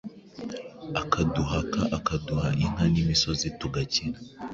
akaduhaka, akaduha inka n’imisozi tugakira